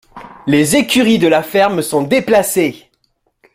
Les écuries de la ferme sont déplacées.